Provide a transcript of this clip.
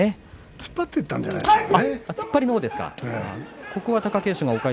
突っ張っていったんじゃないですかね。